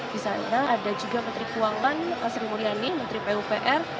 di sana ada juga menteri keuangan sri mulyani menteri pupr